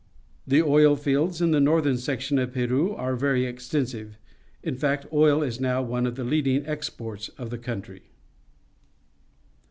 The oil fields in the northern section of Peru are very extensive; in fact, oil is now one of the leacUng exports of the country.